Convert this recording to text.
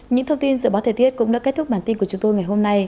những thông tin dự báo thời tiết cũng đã kết thúc bản tin của chúng tôi ngày hôm nay